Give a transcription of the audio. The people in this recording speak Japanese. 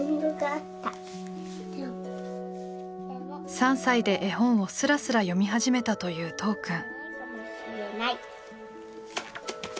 ３歳で絵本をすらすら読み始めたという都央くん。